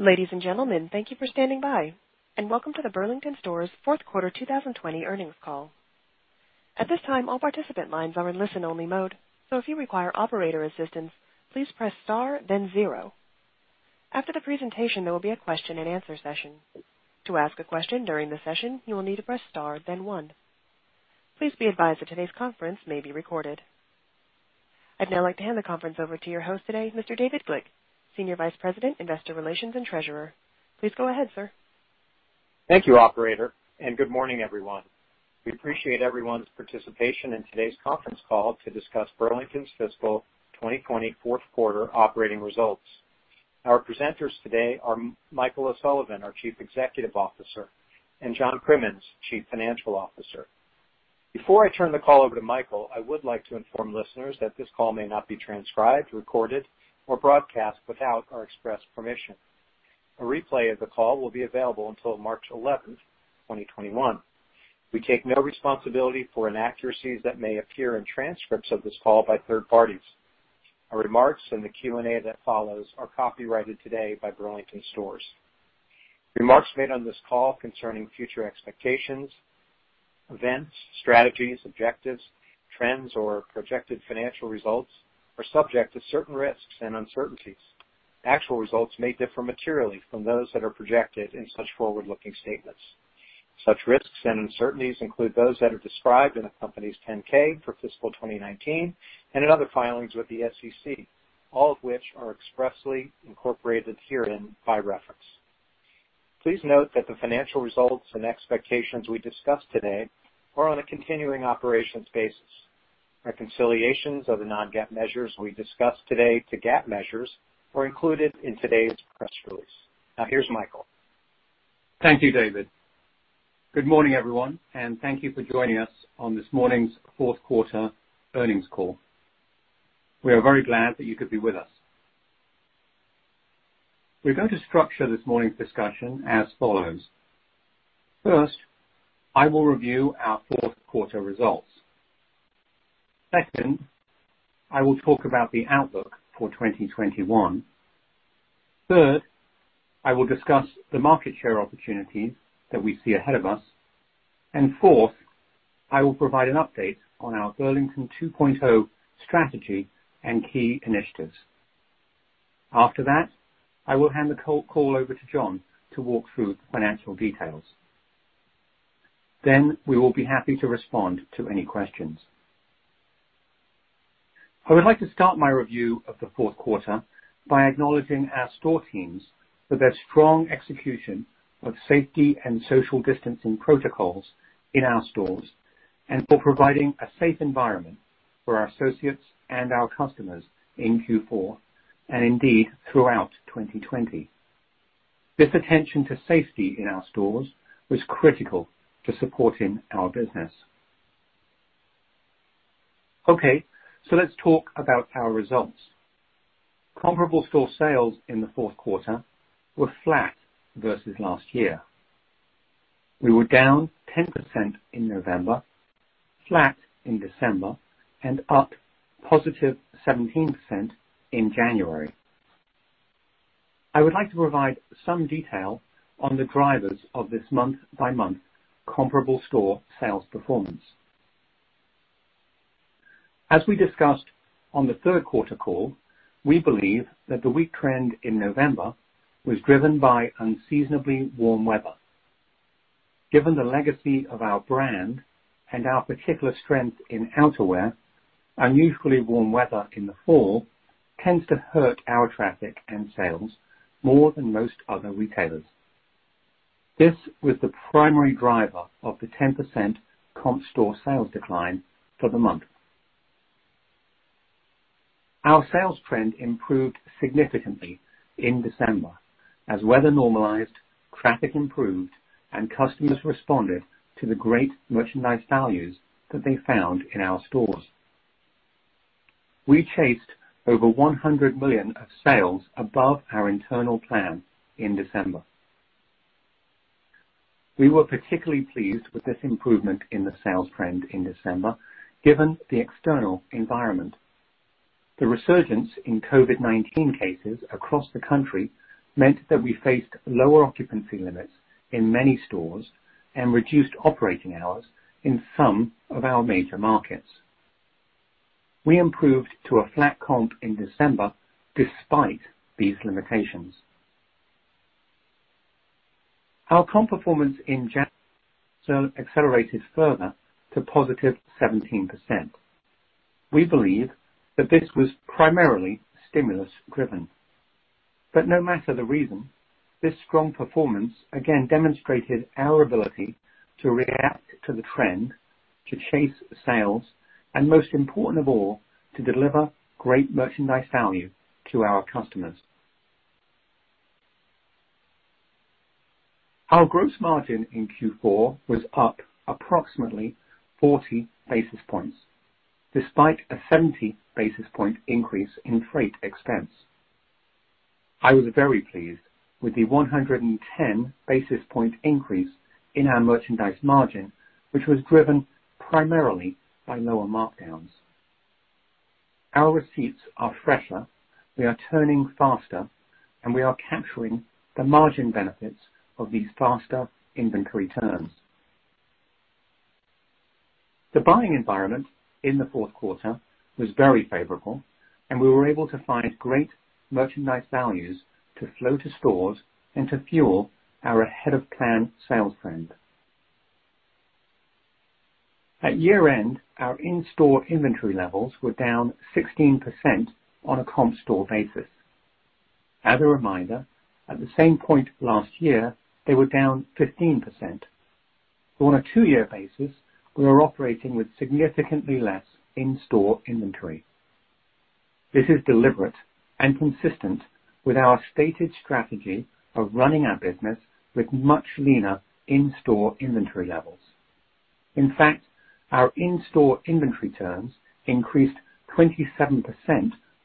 Ladies and gentlemen, thank you for standing by, and welcome to the Burlington Stores Fourth Quarter 2020 earnings call. At this time, all participant lines are in listen-only mode, so if you require operator assistance, please press star, then zero. After the presentation, there will be a question-and-answer session. To ask a question during the session, you will need to press star, then one. Please be advised that today's conference may be recorded. I'd now like to hand the conference over to your host today, Mr. David Glick, Senior Vice President, Investor Relations and Treasurer. Please go ahead, sir. Thank you, Operator, and good morning, everyone. We appreciate everyone's participation in today's conference call to discuss Burlington's fiscal 2020 fourth quarter operating results. Our presenters today are Michael O'Sullivan, our Chief Executive Officer, and John Crimmins, Chief Financial Officer. Before I turn the call over to Michael, I would like to inform listeners that this call may not be transcribed, recorded, or broadcast without our express permission. A replay of the call will be available until March 11th, 2021. We take no responsibility for inaccuracies that may appear in transcripts of this call by third parties. Our remarks and the Q&A that follows are copyrighted today by Burlington Stores. Remarks made on this call concerning future expectations, events, strategies, objectives, trends, or projected financial results are subject to certain risks and uncertainties. Actual results may differ materially from those that are projected in such forward-looking statements. Such risks and uncertainties include those that are described in the company's 10-K for fiscal 2019 and in other filings with the SEC, all of which are expressly incorporated herein by reference. Please note that the financial results and expectations we discuss today are on a continuing operations basis. Reconciliations of the non-GAAP measures we discuss today to GAAP measures are included in today's press release. Now, here's Michael. Thank you, David. Good morning, everyone, and thank you for joining us on this morning's fourth quarter earnings call. We are very glad that you could be with us. We're going to structure this morning's discussion as follows. First, I will review our fourth quarter results. Second, I will talk about the outlook for 2021. Third, I will discuss the market share opportunities that we see ahead of us. And fourth, I will provide an update on our Burlington 2.0 strategy and key initiatives. After that, I will hand the call over to John to walk through the financial details. Then we will be happy to respond to any questions. I would like to start my review of the fourth quarter by acknowledging our store teams for their strong execution of safety and social distancing protocols in our stores and for providing a safe environment for our associates and our customers in Q4 and indeed throughout 2020. This attention to safety in our stores was critical to supporting our business. Okay, so let's talk about our results. Comparable store sales in the fourth quarter were flat versus last year. We were down 10% in November, flat in December, and up positive 17% in January. I would like to provide some detail on the drivers of this month-by-month comparable store sales performance. As we discussed on the third quarter call, we believe that the weak trend in November was driven by unseasonably warm weather. Given the legacy of our brand and our particular strength in outerwear, unusually warm weather in the fall tends to hurt our traffic and sales more than most other retailers. This was the primary driver of the 10% comp store sales decline for the month. Our sales trend improved significantly in December as weather normalized, traffic improved, and customers responded to the great merchandise values that they found in our stores. We chased over $100 million of sales above our internal plan in December. We were particularly pleased with this improvement in the sales trend in December given the external environment. The resurgence in COVID-19 cases across the country meant that we faced lower occupancy limits in many stores and reduced operating hours in some of our major markets. We improved to a flat comp in December despite these limitations. Our comp performance in January accelerated further to positive 17%. We believe that this was primarily stimulus-driven. But no matter the reason, this strong performance again demonstrated our ability to react to the trend, to chase sales, and most important of all, to deliver great merchandise value to our customers. Our gross margin in Q4 was up approximately 40 basis points despite a 70 basis points increase in freight expense. I was very pleased with the 110 basis points increase in our merchandise margin, which was driven primarily by lower markdowns. Our receipts are fresher, we are turning faster, and we are capturing the margin benefits of these faster inventory turns. The buying environment in the fourth quarter was very favorable, and we were able to find great merchandise values to flow to stores and to fuel our ahead-of-plan sales trend. At year-end, our in-store inventory levels were down 16% on a comp store basis. As a reminder, at the same point last year, they were down 15%. On a two-year basis, we are operating with significantly less in-store inventory. This is deliberate and consistent with our stated strategy of running our business with much leaner in-store inventory levels. In fact, our in-store inventory turns increased 27%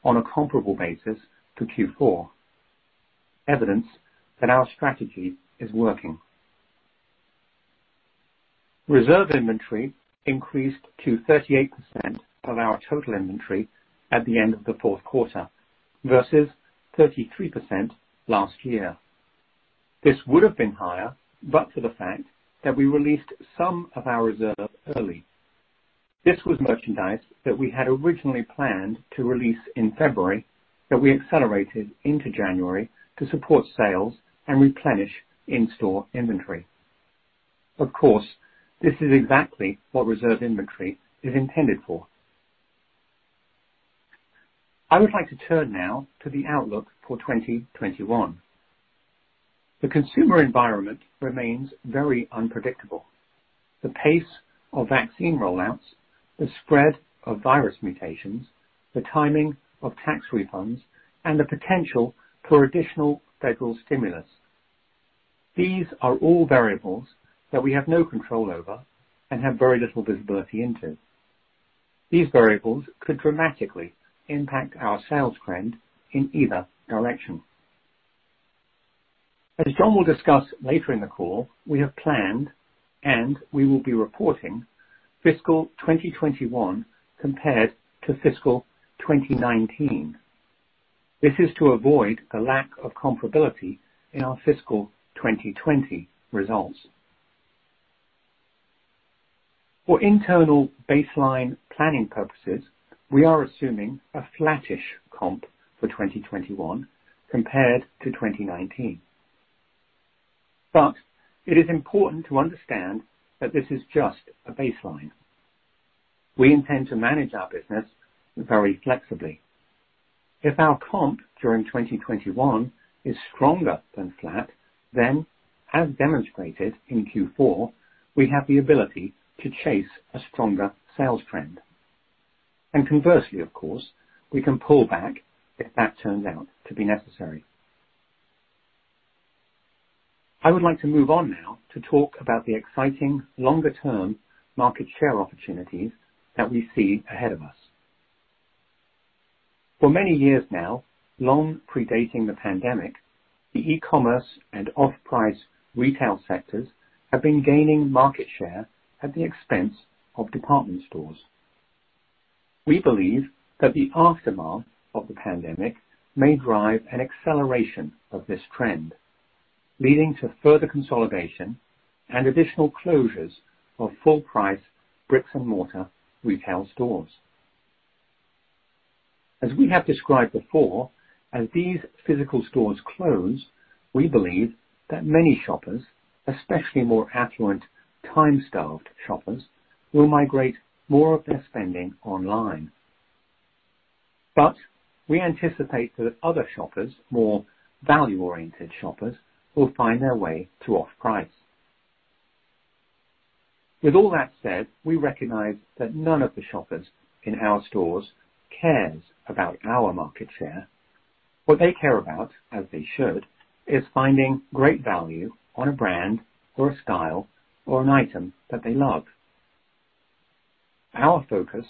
on a comparable basis to Q4. Evidence that our strategy is working. Reserve inventory increased to 38% of our total inventory at the end of the fourth quarter versus 33% last year. This would have been higher, but for the fact that we released some of our reserve early. This was merchandise that we had originally planned to release in February that we accelerated into January to support sales and replenish in-store inventory. Of course, this is exactly what reserve inventory is intended for. I would like to turn now to the outlook for 2021. The consumer environment remains very unpredictable. The pace of vaccine rollouts, the spread of virus mutations, the timing of tax refunds, and the potential for additional federal stimulus. These are all variables that we have no control over and have very little visibility into. These variables could dramatically impact our sales trend in either direction. As John will discuss later in the call, we have planned and we will be reporting fiscal 2021 compared to fiscal 2019. This is to avoid the lack of comparability in our fiscal 2020 results. For internal baseline planning purposes, we are assuming a flattish comp for 2021 compared to 2019. But it is important to understand that this is just a baseline. We intend to manage our business very flexibly. If our comp during 2021 is stronger than flat, then, as demonstrated in Q4, we have the ability to chase a stronger sales trend. Conversely, of course, we can pull back if that turns out to be necessary. I would like to move on now to talk about the exciting longer-term market share opportunities that we see ahead of us. For many years now, long predating the pandemic, the e-commerce and off-price retail sectors have been gaining market share at the expense of department stores. We believe that the aftermath of the pandemic may drive an acceleration of this trend, leading to further consolidation and additional closures of full-price brick-and-mortar retail stores. As we have described before, as these physical stores close, we believe that many shoppers, especially more affluent, time-starved shoppers, will migrate more of their spending online. But we anticipate that other shoppers, more value-oriented shoppers, will find their way to off-price. With all that said, we recognize that none of the shoppers in our stores cares about our market share. What they care about, as they should, is finding great value on a brand or a style or an item that they love. Our focus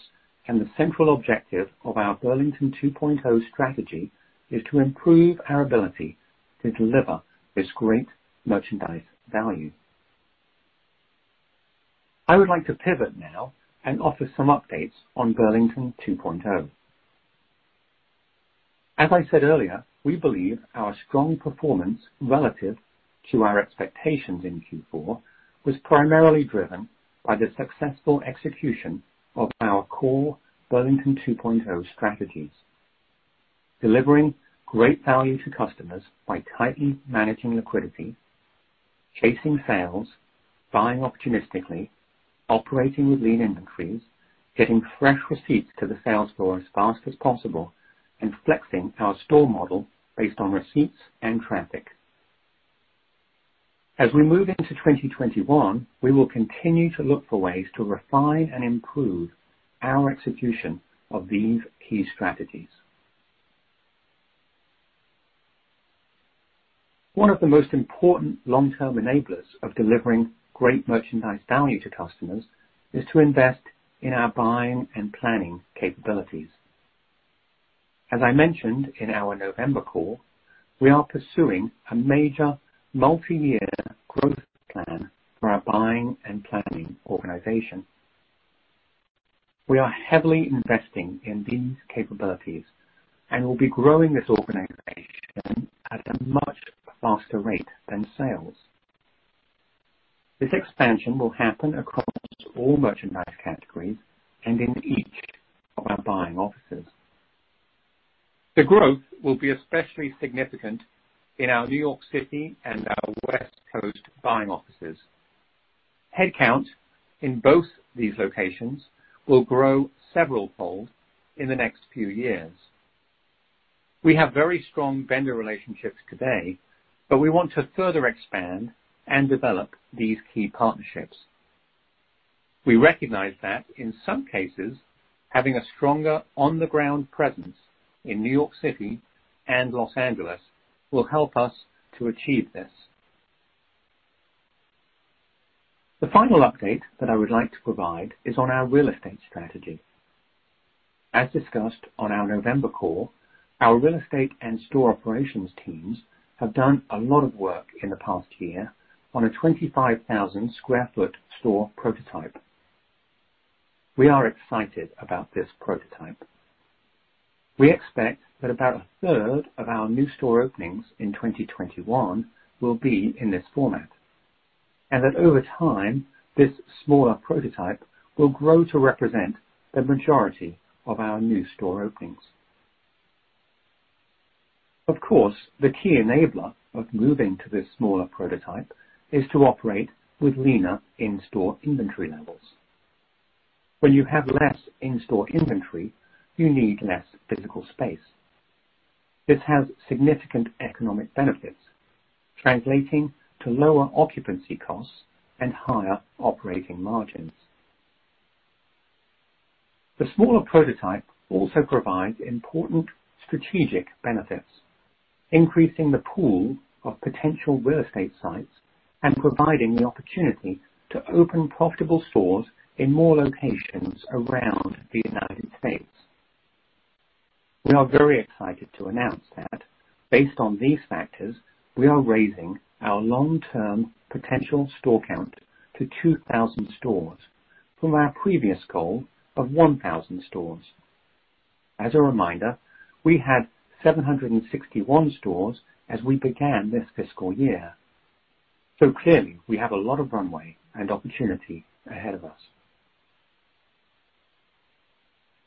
and the central objective of our Burlington 2.0 strategy is to improve our ability to deliver this great merchandise value. I would like to pivot now and offer some updates on Burlington 2.0. As I said earlier, we believe our strong performance relative to our expectations in Q4 was primarily driven by the successful execution of our core Burlington 2.0 strategies: delivering great value to customers by tightly managing liquidity, chasing sales, buying opportunistically, operating with lean inventories, getting fresh receipts to the sales floor as fast as possible, and flexing our store model based on receipts and traffic. As we move into 2021, we will continue to look for ways to refine and improve our execution of these key strategies. One of the most important long-term enablers of delivering great merchandise value to customers is to invest in our buying and planning capabilities. As I mentioned in our November call, we are pursuing a major multi-year growth plan for our buying and planning organization. We are heavily investing in these capabilities and will be growing this organization at a much faster rate than sales. This expansion will happen across all merchandise categories and in each of our buying offices. The growth will be especially significant in our New York City and our West Coast buying offices. Headcount in both these locations will grow several-fold in the next few years. We have very strong vendor relationships today, but we want to further expand and develop these key partnerships. We recognize that in some cases, having a stronger on-the-ground presence in New York City and Los Angeles will help us to achieve this. The final update that I would like to provide is on our real estate strategy. As discussed on our November call, our real estate and store operations teams have done a lot of work in the past year on a 25,000 sq ft store prototype. We are excited about this prototype. We expect that about a third of our new store openings in 2021 will be in this format and that over time, this smaller prototype will grow to represent the majority of our new store openings. Of course, the key enabler of moving to this smaller prototype is to operate with leaner in-store inventory levels. When you have less in-store inventory, you need less physical space. This has significant economic benefits, translating to lower occupancy costs and higher operating margins. The smaller prototype also provides important strategic benefits, increasing the pool of potential real estate sites and providing the opportunity to open profitable stores in more locations around the United States. We are very excited to announce that, based on these factors, we are raising our long-term potential store count to 2,000 stores from our previous goal of 1,000 stores. As a reminder, we had 761 stores as we began this fiscal year. So clearly, we have a lot of runway and opportunity ahead of us.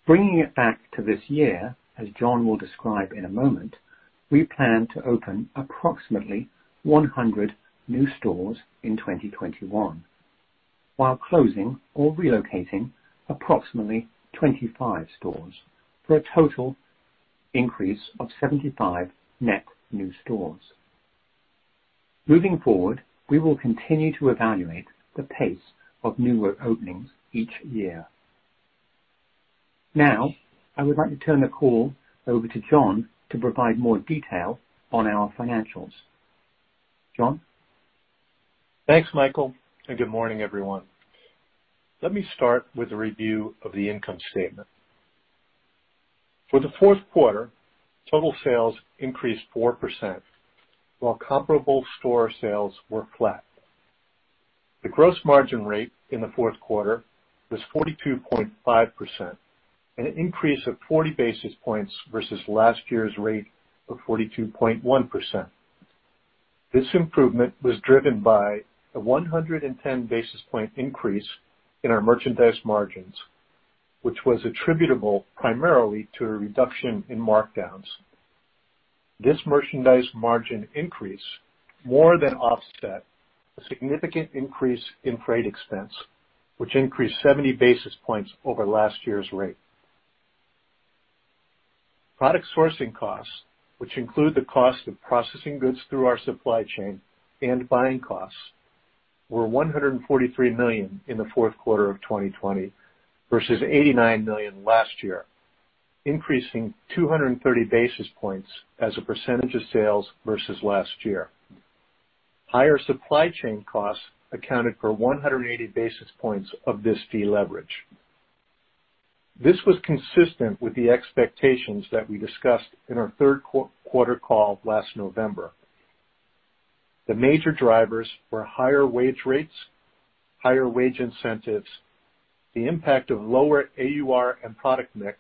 Bringing it back to this year, as John will describe in a moment, we plan to open approximately 100 new stores in 2021 while closing or relocating approximately 25 stores for a total increase of 75 net new stores. Moving forward, we will continue to evaluate the pace of new openings each year. Now, I would like to turn the call over to John to provide more detail on our financials. John? Thanks, Michael, and good morning, everyone. Let me start with a review of the income statement. For the fourth quarter, total sales increased 4% while comparable store sales were flat. The gross margin rate in the fourth quarter was 42.5%, an increase of 40 basis points versus last year's rate of 42.1%. This improvement was driven by a 110 basis point increase in our merchandise margins, which was attributable primarily to a reduction in markdowns. This merchandise margin increase more than offset a significant increase in freight expense, which increased 70 basis points over last year's rate. Product sourcing costs, which include the cost of processing goods through our supply chain and buying costs, were $143 million in the fourth quarter of 2020 versus $89 million last year, increasing 230 basis points as a percentage of sales versus last year. Higher supply chain costs accounted for 180 basis points of this deleverage. This was consistent with the expectations that we discussed in our third quarter call last November. The major drivers were higher wage rates, higher wage incentives, the impact of lower AUR and product mix,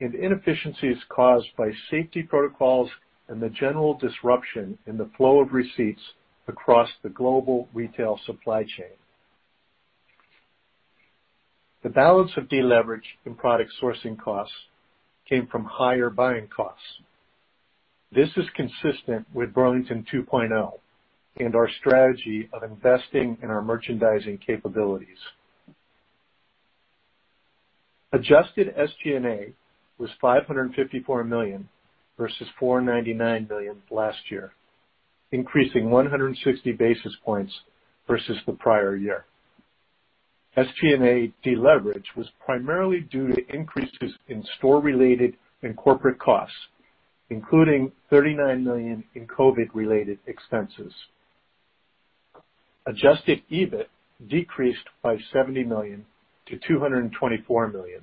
and inefficiencies caused by safety protocols and the general disruption in the flow of receipts across the global retail supply chain. The balance of deleverage in product sourcing costs came from higher buying costs. This is consistent with Burlington 2.0 and our strategy of investing in our merchandising capabilities. Adjusted SG&A was $554 million versus $499 million last year, increasing 160 basis points versus the prior year. SG&A deleverage was primarily due to increases in store-related and corporate costs, including $39 million in COVID-related expenses. Adjusted EBIT decreased by $70 million to $224 million.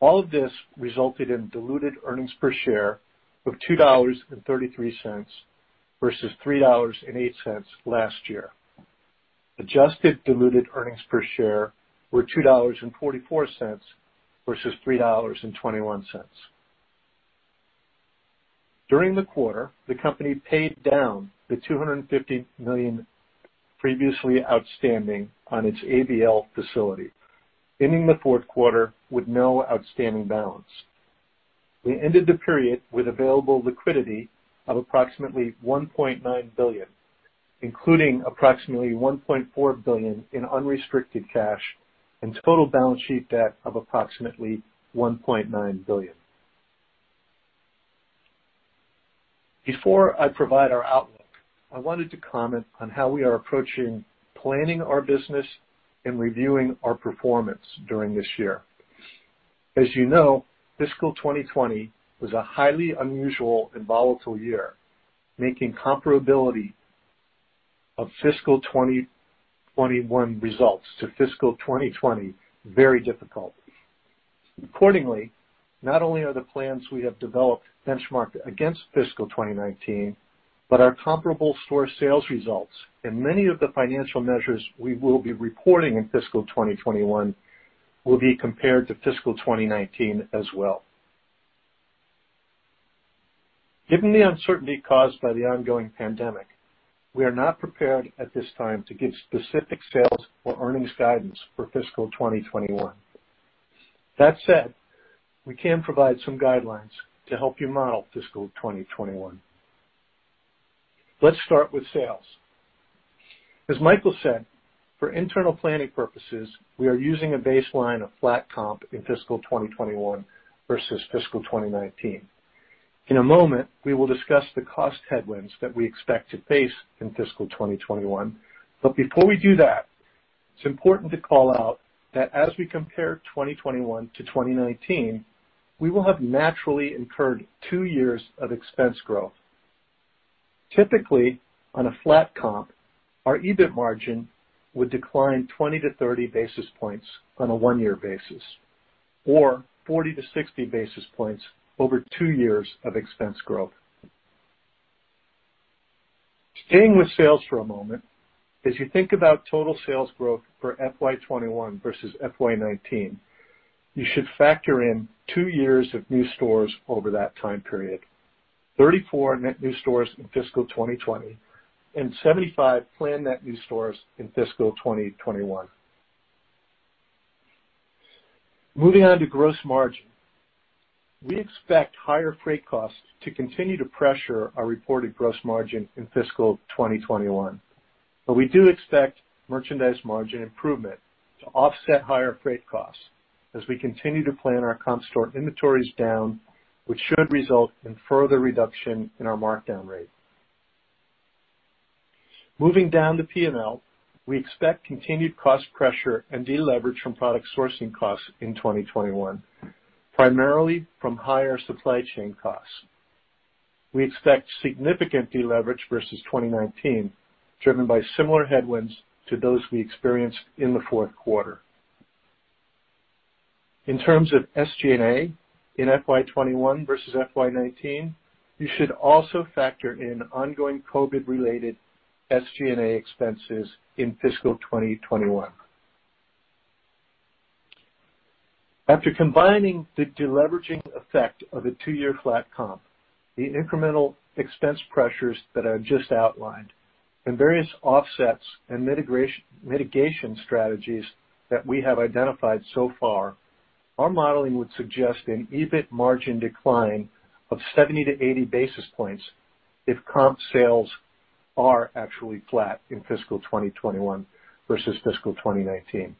All of this resulted in diluted earnings per share of $2.33 versus $3.08 last year. Adjusted diluted earnings per share were $2.44 versus $3.21. During the quarter, the company paid down the $250 million previously outstanding on its ABL facility, ending the fourth quarter with no outstanding balance. We ended the period with available liquidity of approximately $1.9 billion, including approximately $1.4 billion in unrestricted cash and total balance sheet debt of approximately $1.9 billion. Before I provide our outlook, I wanted to comment on how we are approaching planning our business and reviewing our performance during this year. As you know, fiscal 2020 was a highly unusual and volatile year, making comparability of fiscal 2021 results to fiscal 2020 very difficult. Accordingly, not only are the plans we have developed benchmarked against fiscal 2019, but our comparable store sales results and many of the financial measures we will be reporting in fiscal 2021 will be compared to fiscal 2019 as well. Given the uncertainty caused by the ongoing pandemic, we are not prepared at this time to give specific sales or earnings guidance for fiscal 2021. That said, we can provide some guidelines to help you model fiscal 2021. Let's start with sales. As Michael said, for internal planning purposes, we are using a baseline of flat comp in fiscal 2021 versus fiscal 2019. In a moment, we will discuss the cost headwinds that we expect to face in fiscal 2021. But before we do that, it's important to call out that as we compare 2021 to 2019, we will have naturally incurred two years of expense growth. Typically, on a flat comp, our EBIT margin would decline 20-30 basis points on a one-year basis or 40-60 basis points over two years of expense growth. Staying with sales for a moment, as you think about total sales growth for FY21 versus FY19, you should factor in two years of new stores over that time period: 34 net new stores in fiscal 2020 and 75 planned net new stores in fiscal 2021. Moving on to gross margin, we expect higher freight costs to continue to pressure our reported gross margin in fiscal 2021. But we do expect merchandise margin improvement to offset higher freight costs as we continue to plan our comp store inventories down, which should result in further reduction in our markdown rate. Moving down to P&L, we expect continued cost pressure and deleverage from product sourcing costs in 2021, primarily from higher supply chain costs. We expect significant deleverage versus 2019, driven by similar headwinds to those we experienced in the fourth quarter. In terms of SG&A in FY21 versus FY19, you should also factor in ongoing COVID-related SG&A expenses in fiscal 2021. After combining the deleveraging effect of a two-year flat comp, the incremental expense pressures that I just outlined, and various offsets and mitigation strategies that we have identified so far, our modeling would suggest an EBIT margin decline of 70 to 80 basis points if comp sales are actually flat in fiscal 2021 versus fiscal 2019.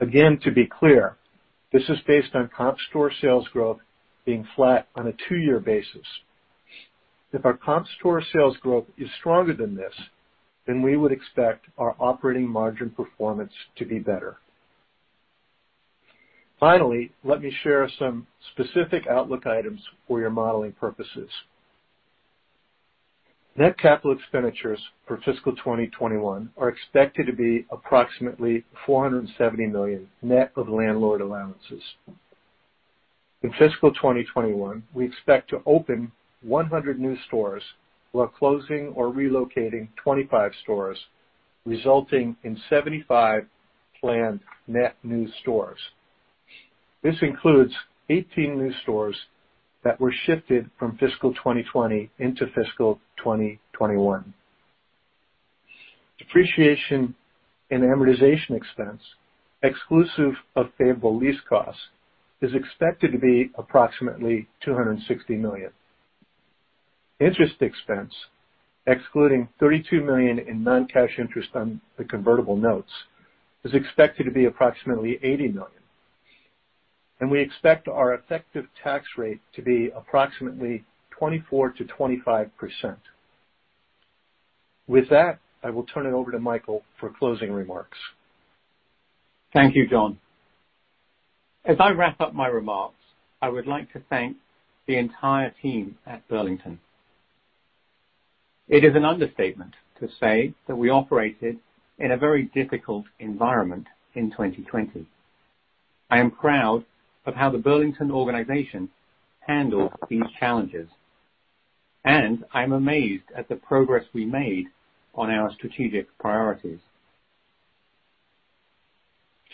Again, to be clear, this is based on comp store sales growth being flat on a two-year basis. If our comp store sales growth is stronger than this, then we would expect our operating margin performance to be better. Finally, let me share some specific outlook items for your modeling purposes. Net capital expenditures for fiscal 2021 are expected to be approximately $470 million net of landlord allowances. In fiscal 2021, we expect to open 100 new stores while closing or relocating 25 stores, resulting in 75 planned net new stores. This includes 18 new stores that were shifted from fiscal 2020 into fiscal 2021. Depreciation and amortization expense, exclusive of favorable lease costs, is expected to be approximately $260 million. Interest expense, excluding $32 million in non-cash interest on the convertible notes, is expected to be approximately $80 million. We expect our effective tax rate to be approximately 24%-25%. With that, I will turn it over to Michael for closing remarks. Thank you, John. As I wrap up my remarks, I would like to thank the entire team at Burlington. It is an understatement to say that we operated in a very difficult environment in 2020. I am proud of how the Burlington organization handled these challenges, and I am amazed at the progress we made on our strategic priorities.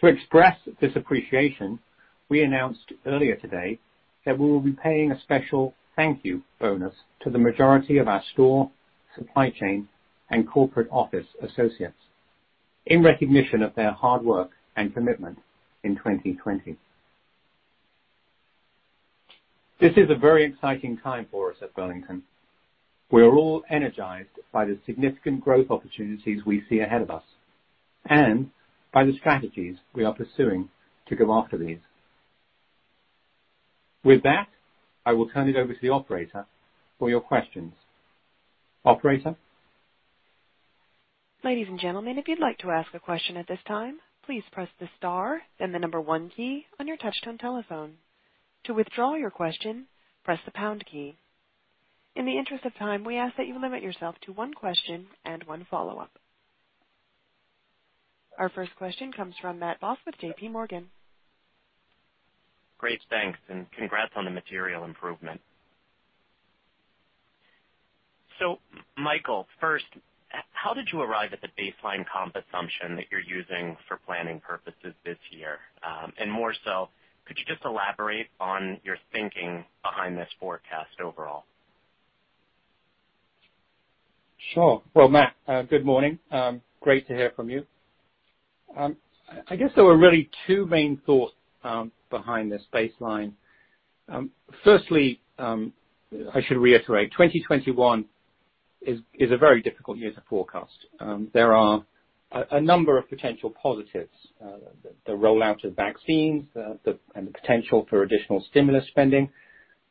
To express this appreciation, we announced earlier today that we will be paying a special thank you bonus to the majority of our store, supply chain, and corporate office associates in recognition of their hard work and commitment in 2020. This is a very exciting time for us at Burlington. We are all energized by the significant growth opportunities we see ahead of us and by the strategies we are pursuing to go after these. With that, I will turn it over to the operator for your questions. Operator? Ladies and gentlemen, if you'd like to ask a question at this time, please press the star, then the number one key on your touch-tone telephone. To withdraw your question, press the pound key. In the interest of time, we ask that you limit yourself to one question and one follow-up. Our first question comes from Matthew Boss, J.P. Morgan. Great thanks, and congrats on the material improvement. So, Michael, first, how did you arrive at the baseline comp assumption that you're using for planning purposes this year? And more so, could you just elaborate on your thinking behind this forecast overall? Sure. Well, Matt, good morning. Great to hear from you. I guess there were really two main thoughts behind this baseline. Firstly, I should reiterate, 2021 is a very difficult year to forecast. There are a number of potential positives: the rollout of vaccines and the potential for additional stimulus spending.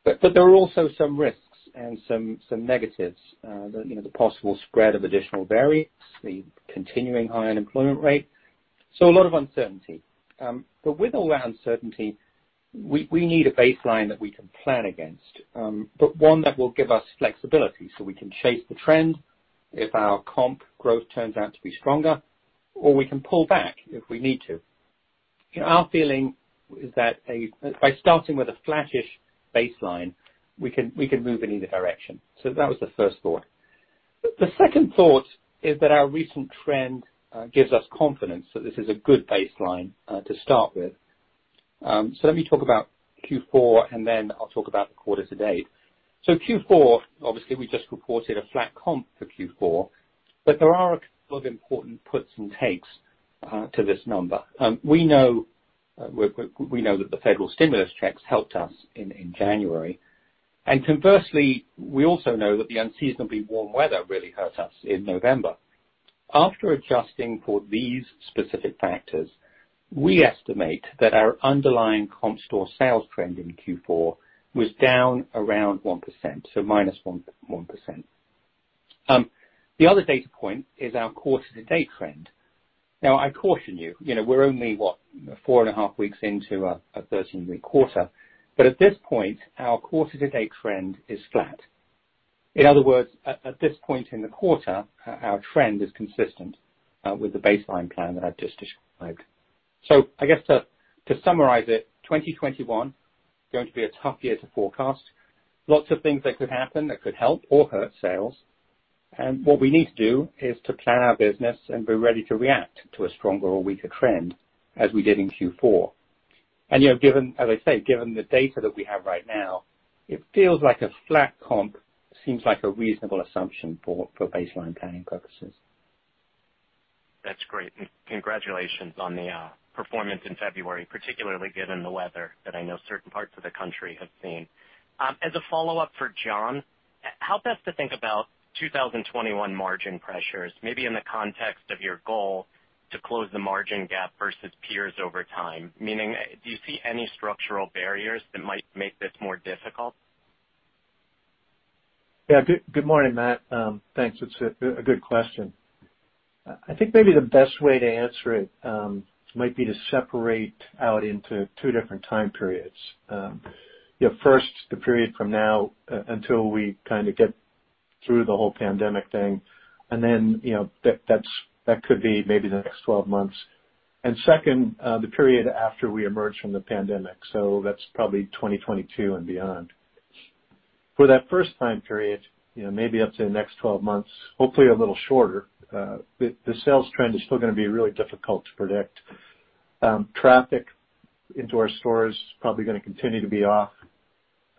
But there are also some risks and some negatives: the possible spread of additional variants, the continuing high unemployment rate. So, a lot of uncertainty. But with all that uncertainty, we need a baseline that we can plan against, but one that will give us flexibility so we can chase the trend if our comp growth turns out to be stronger, or we can pull back if we need to. Our feeling is that by starting with a flat-ish baseline, we can move in either direction. So, that was the first thought. The second thought is that our recent trend gives us confidence that this is a good baseline to start with. So, let me talk about Q4, and then I'll talk about the quarter to date. So, Q4, obviously, we just reported a flat comp for Q4, but there are a couple of important puts and takes to this number. We know that the federal stimulus checks helped us in January. And conversely, we also know that the unseasonably warm weather really hurt us in November. After adjusting for these specific factors, we estimate that our underlying comp store sales trend in Q4 was down around 1%, so minus 1%. The other data point is our quarter to date trend. Now, I caution you, we're only, what, four and a half weeks into a 13-week quarter. But at this point, our quarter to date trend is flat. In other words, at this point in the quarter, our trend is consistent with the baseline plan that I've just described. So, I guess to summarize it, 2021 is going to be a tough year to forecast. Lots of things that could happen that could help or hurt sales. And what we need to do is to plan our business and be ready to react to a stronger or weaker trend as we did in Q4. And as I say, given the data that we have right now, it feels like a flat comp seems like a reasonable assumption for baseline planning purposes. That's great. And congratulations on the performance in February, particularly given the weather that I know certain parts of the country have seen. As a follow-up for John, how best to think about 2021 margin pressures, maybe in the context of your goal to close the margin gap versus peers over time? Meaning, do you see any structural barriers that might make this more difficult? Yeah. Good morning, Matt. Thanks. It's a good question. I think maybe the best way to answer it might be to separate out into two different time periods. First, the period from now until we kind of get through the whole pandemic thing, and then that could be maybe the next 12 months, and second, the period after we emerge from the pandemic, so that's probably 2022 and beyond. For that first time period, maybe up to the next 12 months, hopefully a little shorter, the sales trend is still going to be really difficult to predict. Traffic into our stores is probably going to continue to be off.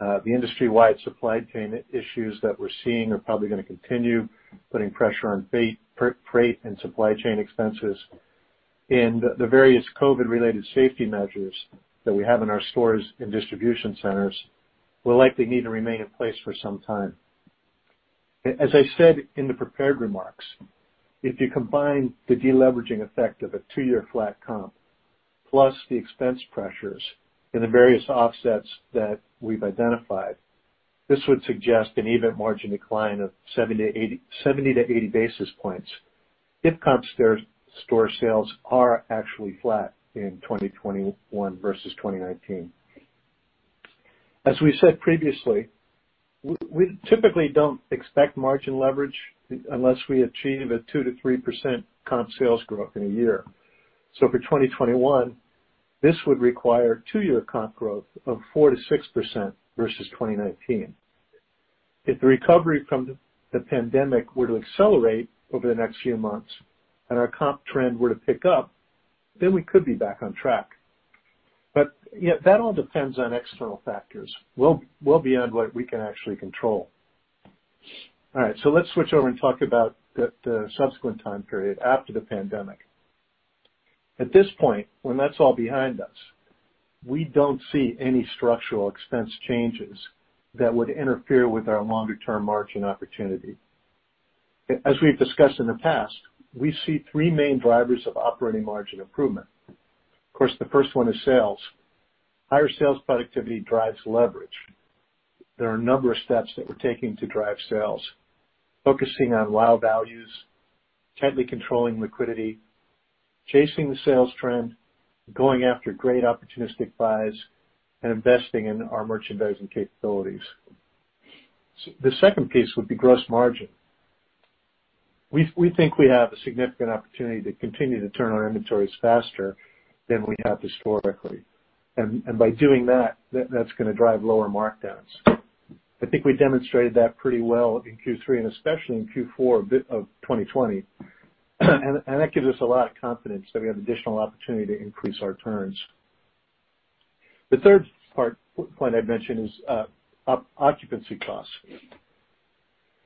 The industry-wide supply chain issues that we're seeing are probably going to continue putting pressure on freight and supply chain expenses. And the various COVID-related safety measures that we have in our stores and distribution centers will likely need to remain in place for some time. As I said in the prepared remarks, if you combine the deleveraging effect of a two-year flat comp plus the expense pressures and the various offsets that we've identified, this would suggest an EBIT margin decline of 70-80 basis points if comp store sales are actually flat in 2021 versus 2019. As we said previously, we typically don't expect margin leverage unless we achieve a 2%-3% comp sales growth in a year. So, for 2021, this would require two-year comp growth of 4%-6% versus 2019. If the recovery from the pandemic were to accelerate over the next few months and our comp trend were to pick up, then we could be back on track. But that all depends on external factors, well beyond what we can actually control. All right. So, let's switch over and talk about the subsequent time period after the pandemic. At this point, when that's all behind us, we don't see any structural expense changes that would interfere with our longer-term margin opportunity. As we've discussed in the past, we see three main drivers of operating margin improvement. Of course, the first one is sales. Higher sales productivity drives leverage. There are a number of steps that we're taking to drive sales, focusing on wow values, tightly controlling liquidity, chasing the sales trend, going after great opportunistic buys, and investing in our merchandising capabilities. The second piece would be gross margin. We think we have a significant opportunity to continue to turn our inventories faster than we have historically. And by doing that, that's going to drive lower markdowns. I think we demonstrated that pretty well in Q3 and especially in Q4 of 2020. And that gives us a lot of confidence that we have additional opportunity to increase our turns. The third point I'd mention is occupancy costs.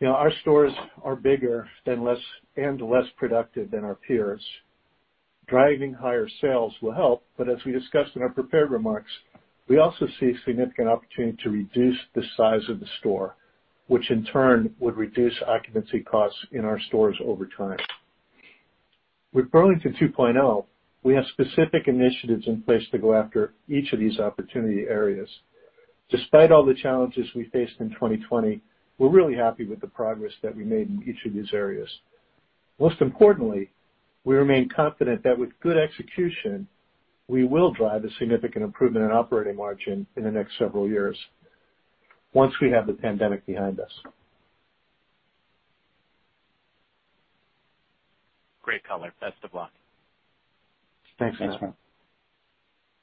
Our stores are bigger and less productive than our peers. Driving higher sales will help. But as we discussed in our prepared remarks, we also see significant opportunity to reduce the size of the store, which in turn would reduce occupancy costs in our stores over time. With Burlington 2.0, we have specific initiatives in place to go after each of these opportunity areas. Despite all the challenges we faced in 2020, we're really happy with the progress that we made in each of these areas. Most importantly, we remain confident that with good execution, we will drive a significant improvement in operating margin in the next several years once we have the pandemic behind us. Great color. Best of luck. Thanks, Matt. Thanks, Matt.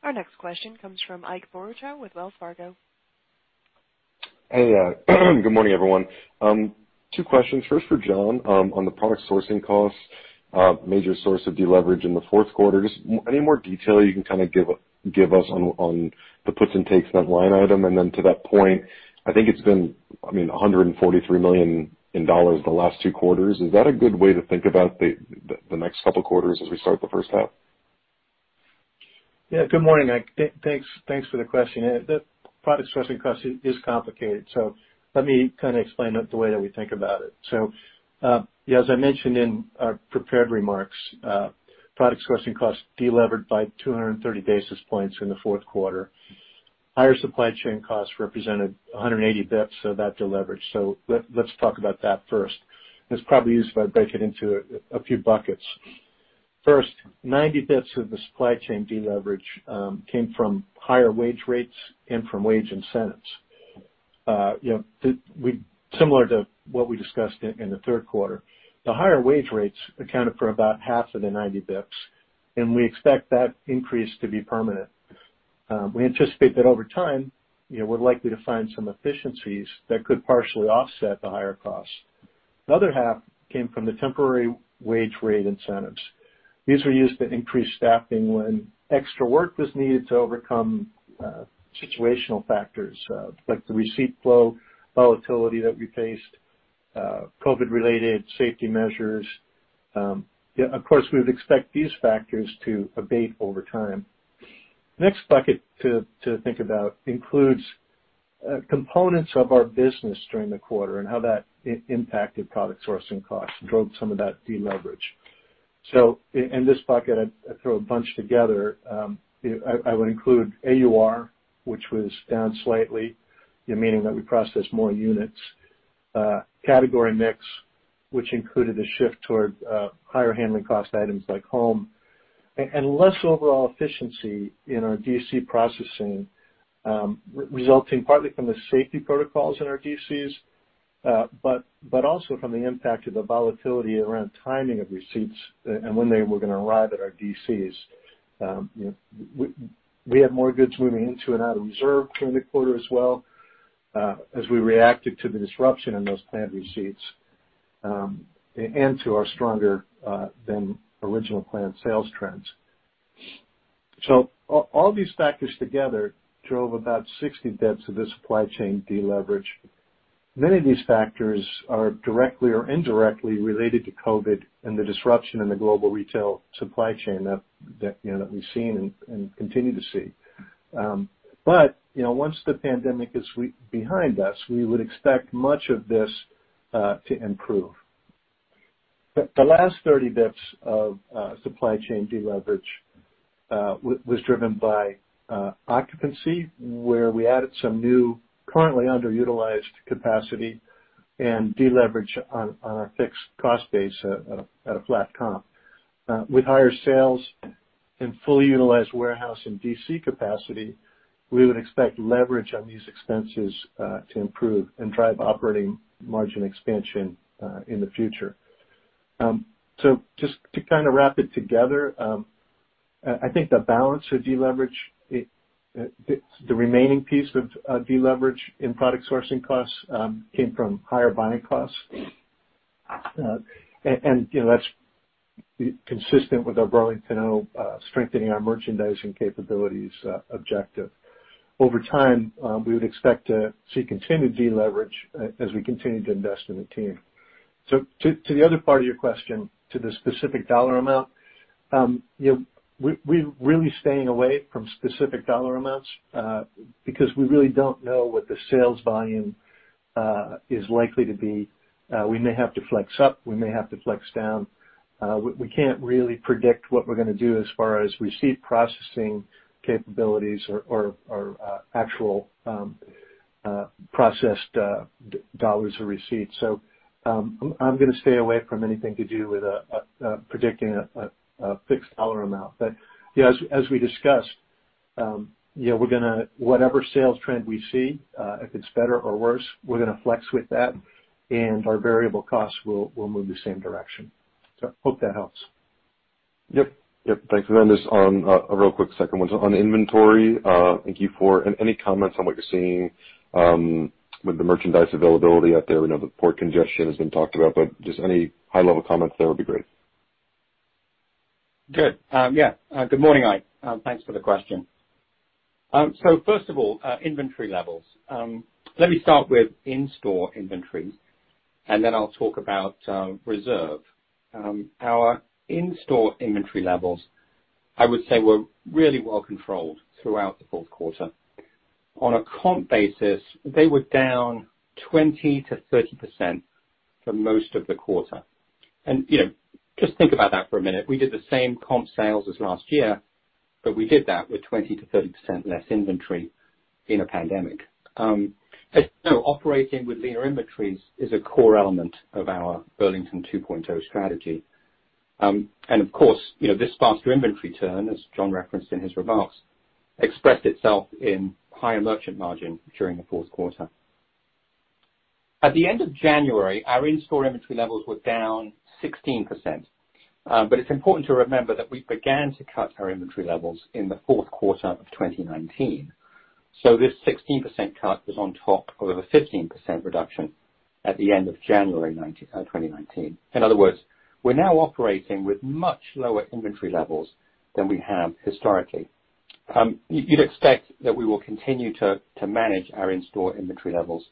Our next question comes from Ike Boruchow with Wells Fargo. Hey. Good morning, everyone. Two questions. First for John on the product sourcing costs, major source of deleverage in the fourth quarter. Just any more detail you can kind of give us on the puts and takes, that line item. And then to that point, I think it's been, I mean, $143 million the last two quarters. Is that a good way to think about the next couple of quarters as we start the first half? Yeah. Good morning, Mike. Thanks for the question. The product sourcing cost is complicated. So, let me kind of explain the way that we think about it. So, as I mentioned in our prepared remarks, product sourcing costs delevered by 230 basis points in the fourth quarter. Higher supply chain costs represented 180 basis points of that deleverage. So, let's talk about that first. It is probably easier if I break it into a few buckets. First, 90 basis points of the supply chain deleverage came from higher wage rates and from wage incentives. Similar to what we discussed in the third quarter, the higher wage rates accounted for about half of the 90 basis points, and we expect that increase to be permanent. We anticipate that over time, we're likely to find some efficiencies that could partially offset the higher costs. The other half came from the temporary wage rate incentives. These were used to increase staffing when extra work was needed to overcome situational factors like the receipt flow volatility that we faced, COVID-related safety measures. Of course, we would expect these factors to abate over time. The next bucket to think about includes components of our business during the quarter and how that impacted product sourcing costs and drove some of that deleverage. So, in this bucket, I throw a bunch together. I would include AUR, which was down slightly, meaning that we processed more units, category mix, which included a shift toward higher handling cost items like home, and less overall efficiency in our DC processing, resulting partly from the safety protocols in our DCs, but also from the impact of the volatility around timing of receipts and when they were going to arrive at our DCs. We had more goods moving into and out of reserve during the quarter as well as we reacted to the disruption in those planned receipts and to our stronger than original planned sales trends. So, all these factors together drove about 60 basis points of the supply chain deleverage. Many of these factors are directly or indirectly related to COVID and the disruption in the global retail supply chain that we've seen and continue to see. But once the pandemic is behind us, we would expect much of this to improve. The last 30 basis points of supply chain deleverage was driven by occupancy, where we added some new currently underutilized capacity and deleveraged on our fixed cost base at a flat comp. With higher sales and fully utilized warehouse and DC capacity, we would expect leverage on these expenses to improve and drive operating margin expansion in the future. So, just to kind of wrap it together, I think the balance of deleverage, the remaining piece of deleverage in product sourcing costs, came from higher buying costs. And that's consistent with our Burlington 2.0 strengthening our merchandising capabilities objective. Over time, we would expect to see continued deleverage as we continue to invest in the team. So, to the other part of your question to the specific dollar amount, we're really staying away from specific dollar amounts because we really don't know what the sales volume is likely to be. We may have to flex up. We may have to flex down. We can't really predict what we're going to do as far as receipt processing capabilities or actual processed dollars or receipts. So, I'm going to stay away from anything to do with predicting a fixed dollar amount. But as we discussed, whatever sales trend we see, if it's better or worse, we're going to flex with that, and our variable costs will move the same direction. So, I hope that helps. Yep. Yep. Thanks. And then just on a real quick second one, on inventory, thank you for any comments on what you're seeing with the merchandise availability out there. We know the port congestion has been talked about, but just any high-level comments there would be great. Good. Yeah. Good morning, Mike. Thanks for the question. So, first of all, inventory levels. Let me start with in-store inventories, and then I'll talk about reserve. Our in-store inventory levels, I would say, were really well controlled throughout the fourth quarter. On a comp basis, they were down 20%-30% for most of the quarter. And just think about that for a minute. We did the same comp sales as last year, but we did that with 20%-30% less inventory in a pandemic. As you know, operating with leaner inventories is a core element of our Burlington 2.0 strategy. And of course, this faster inventory turn, as John referenced in his remarks, expressed itself in higher merchandise margin during the fourth quarter. At the end of January, our in-store inventory levels were down 16%. But it's important to remember that we began to cut our inventory levels in the fourth quarter of 2019. So, this 16% cut was on top of a 15% reduction at the end of January 2019. In other words, we're now operating with much lower inventory levels than we have historically. You'd expect that we will continue to manage our in-store inventory levels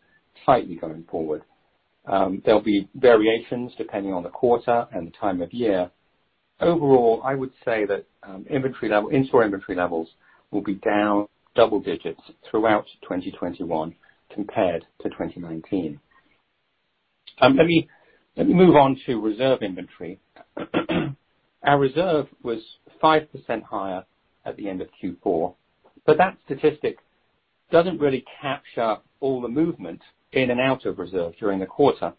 tightly going forward. There'll be variations depending on the quarter and the time of year. Overall, I would say that in-store inventory levels will be down double digits throughout 2021 compared to 2019. Let me move on to reserve inventory. Our reserve was 5% higher at the end of Q4, but that statistic doesn't really capture all the movement in and out of reserve during the quarter.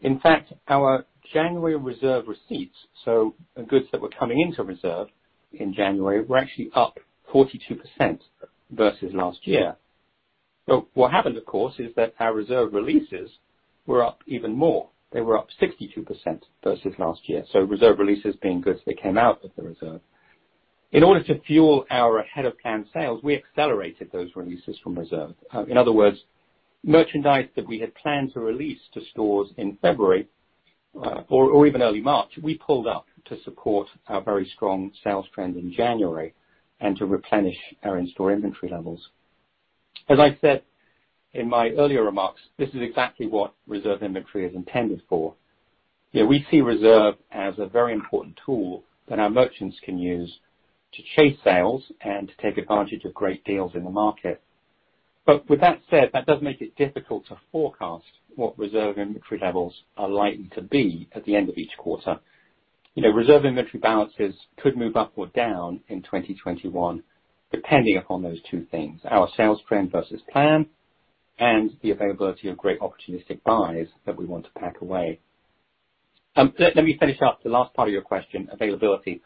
In fact, our January reserve receipts, so goods that were coming into reserve in January, were actually up 42% versus last year. So, what happened, of course, is that our reserve releases were up even more. They were up 62% versus last year. So, reserve releases being goods that came out of the reserve. In order to fuel our ahead-of-planned sales, we accelerated those releases from reserve. In other words, merchandise that we had planned to release to stores in February or even early March, we pulled up to support our very strong sales trend in January and to replenish our in-store inventory levels. As I said in my earlier remarks, this is exactly what reserve inventory is intended for. We see reserve as a very important tool that our merchants can use to chase sales and to take advantage of great deals in the market. But with that said, that does make it difficult to forecast what reserve inventory levels are likely to be at the end of each quarter. Reserve inventory balances could move up or down in 2021, depending upon those two things: our sales trend versus plan and the availability of great opportunistic buys that we want to pack away. Let me finish up the last part of your question, availability.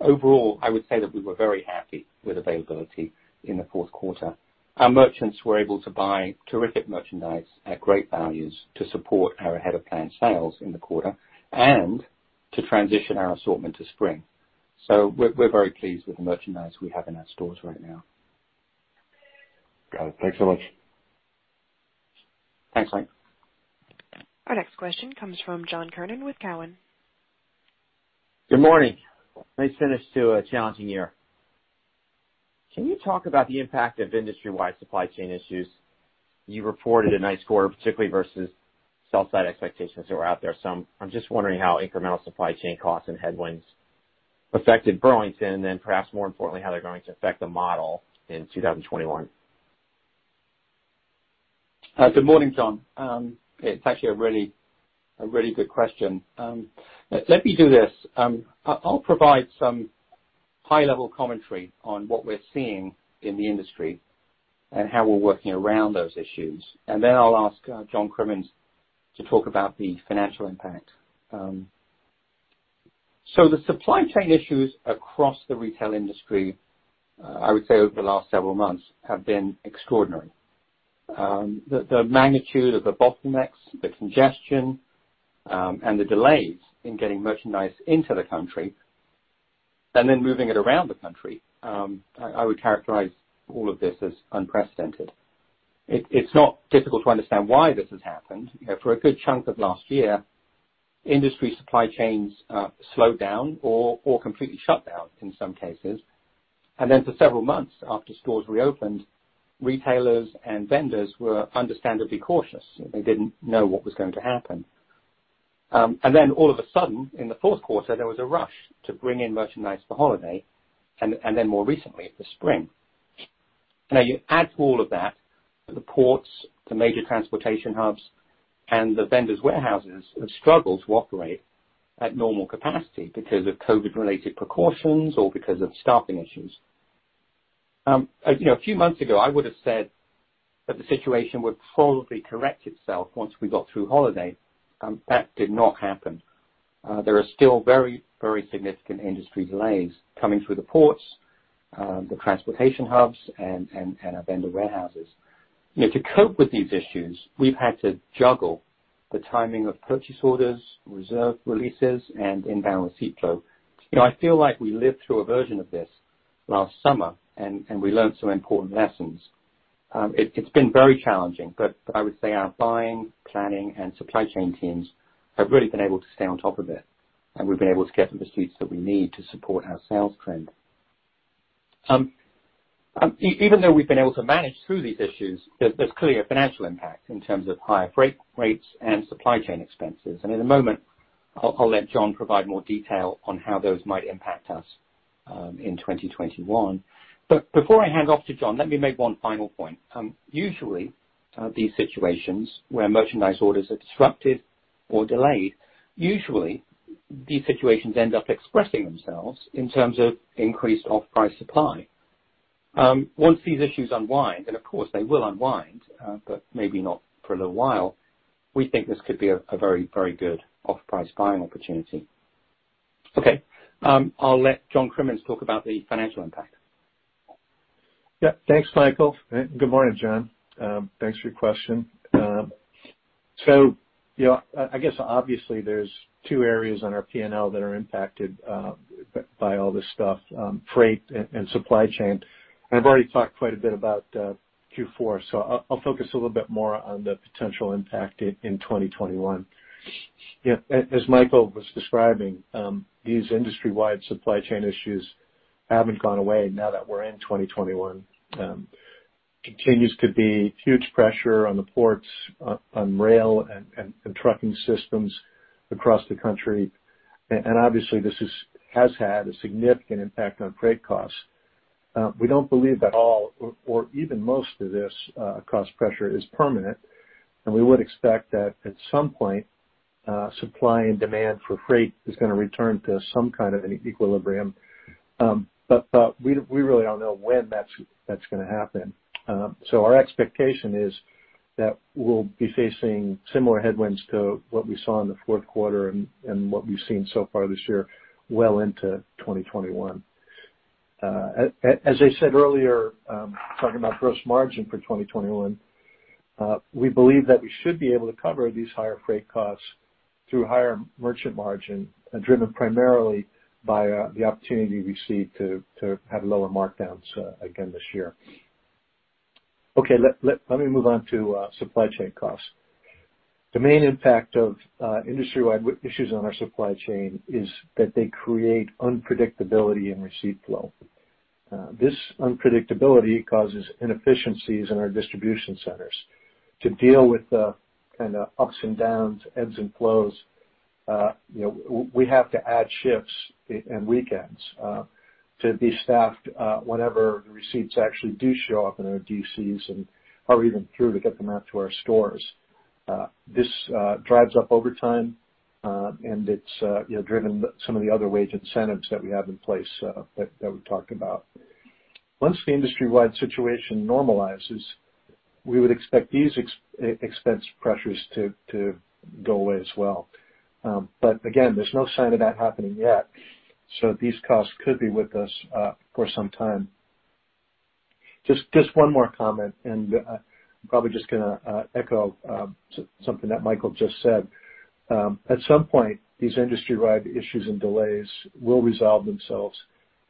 Overall, I would say that we were very happy with availability in the fourth quarter. Our merchants were able to buy terrific merchandise at great values to support our ahead-of-planned sales in the quarter and to transition our assortment to spring. So, we're very pleased with the merchandise we have in our stores right now. Got it. Thanks so much. Thanks, Mike. Our next question comes from John Kernan with Cowen. Good morning. Nice finish to a challenging year. Can you talk about the impact of industry-wide supply chain issues you reported in third quarter, particularly versus sell-side expectations that were out there? So, I'm just wondering how incremental supply chain costs and headwinds affected Burlington and then, perhaps more importantly, how they're going to affect the model in 2021. Good morning, John. It's actually a really good question. Let me do this. I'll provide some high-level commentary on what we're seeing in the industry and how we're working around those issues, and then I'll ask John Crimmins to talk about the financial impact. The supply chain issues across the retail industry, I would say over the last several months, have been extraordinary. The magnitude of the bottlenecks, the congestion, and the delays in getting merchandise into the country, and then moving it around the country, I would characterize all of this as unprecedented. It's not difficult to understand why this has happened. For a good chunk of last year, industry supply chains slowed down or completely shut down in some cases. And then for several months after stores reopened, retailers and vendors were understandably cautious. They didn't know what was going to happen. And then all of a sudden, in the fourth quarter, there was a rush to bring in merchandise for holiday and then more recently for spring. Now, you add to all of that the ports, the major transportation hubs, and the vendors' warehouses have struggled to operate at normal capacity because of COVID-related precautions or because of staffing issues. A few months ago, I would have said that the situation would probably correct itself once we got through holiday. That did not happen. There are still very, very significant industry delays coming through the ports, the transportation hubs, and our vendor warehouses. To cope with these issues, we've had to juggle the timing of purchase orders, reserve releases, and inbound receipt flow. I feel like we lived through a version of this last summer, and we learned some important lessons. It's been very challenging, but I would say our buying, planning, and supply chain teams have really been able to stay on top of it, and we've been able to get the receipts that we need to support our sales trend. Even though we've been able to manage through these issues, there's clearly a financial impact in terms of higher freight rates and supply chain expenses, and in a moment, I'll let John provide more detail on how those might impact us in 2021. But before I hand off to John, let me make one final point. Usually, these situations where merchandise orders are disrupted or delayed, usually these situations end up expressing themselves in terms of increased off-price supply. Once these issues unwind, and of course, they will unwind, but maybe not for a little while, we think this could be a very, very good off-price buying opportunity. Okay. I'll let John Crimmins talk about the financial impact. Yeah. Thanks, Michael. Good morning, John. Thanks for your question. So, I guess obviously there are two areas on our P&L that are impacted by all this stuff: freight and supply chain. I've already talked quite a bit about Q4, so I'll focus a little bit more on the potential impact in 2021. As Michael was describing, these industry-wide supply chain issues haven't gone away now that we're in 2021. It continues to be huge pressure on the ports, on rail and trucking systems across the country, and obviously, this has had a significant impact on freight costs. We don't believe that all, or even most of this cost pressure, is permanent, and we would expect that at some point, supply and demand for freight is going to return to some kind of an equilibrium, but we really don't know when that's going to happen, so our expectation is that we'll be facing similar headwinds to what we saw in the fourth quarter and what we've seen so far this year well into 2021. As I said earlier, talking about gross margin for 2021, we believe that we should be able to cover these higher freight costs through higher merchandise margin, driven primarily by the opportunity we see to have lower markdowns again this year. Okay. Let me move on to supply chain costs. The main impact of industry-wide issues on our supply chain is that they create unpredictability in receipt flow. This unpredictability causes inefficiencies in our distribution centers. To deal with the kind of ups and downs, ebbs and flows, we have to add shifts and weekends to be staffed whenever the receipts actually do show up in our DCs and are even through to get them out to our stores. This drives up overtime, and it's driven some of the other wage incentives that we have in place that we talked about. Once the industry-wide situation normalizes, we would expect these expense pressures to go away as well. But again, there's no sign of that happening yet. So, these costs could be with us for some time. Just one more comment, and I'm probably just going to echo something that Michael just said. At some point, these industry-wide issues and delays will resolve themselves,